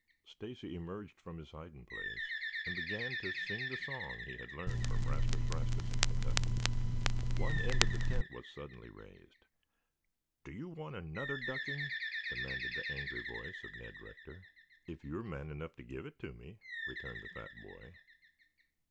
Stacy emerged from his hiding place and began to sing the song he had learned from Rastus Rastus in Kentucky. One end of the tent was suddenly raised. "Do you want another ducking?" demanded the angry voice of Ned Rector. "If you're man enough to give it to me," returned the fat boy.